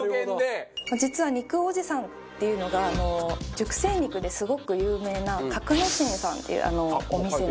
実は肉おじさんっていうのが熟成肉ですごく有名な格之進さんっていうお店の。